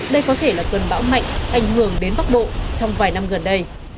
đây có thể là tuần bão mạnh ảnh hưởng đến bắc bộ trong vài năm gần đây